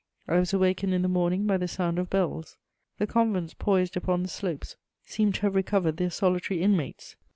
I was awakened in the morning by the sound of bells. The convents poised upon the slopes seemed to have recovered their solitary inmates.